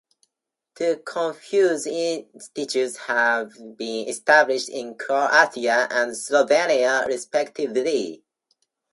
Two Confucius Institutes have been established in Croatia and Slovenia respectively.